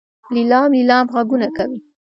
لیلام لیلام غږونه کوي.